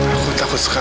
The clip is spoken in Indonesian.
aku takut sekarang